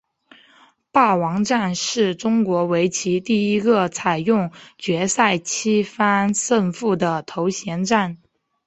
霸王战是中国围棋第一个采用决赛七番胜负的头衔战。